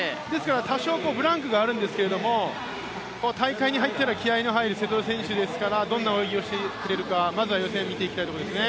多少ブランクがあるんですけれども、大会に入ったら気合いの入る選手選手ですからどんな泳ぎをしてくれるか、まずは予選を見ていきたいところですね。